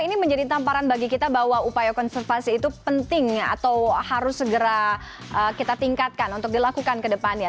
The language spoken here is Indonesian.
ini menjadi tamparan bagi kita bahwa upaya konservasi itu penting atau harus segera kita tingkatkan untuk dilakukan ke depannya